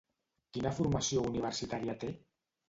Quina formació universitària té?